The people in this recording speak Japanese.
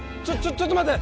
ちょっと待って！